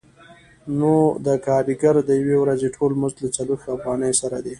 نو د کارګر د یوې ورځې ټول مزد له څلوېښت افغانیو سره دی